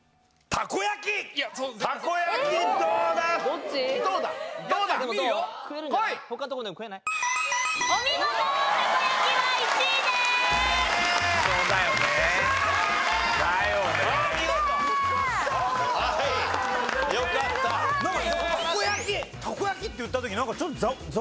たこ焼きって言った時なんか。